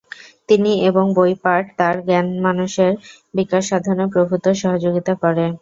তিনি এবং বইপাঠ তার জ্ঞানমানসের বিকাশসাধনে প্রভূত সহযোগিতা করে।